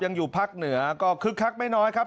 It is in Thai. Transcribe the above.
อยู่ภาคเหนือก็คึกคักไม่น้อยครับ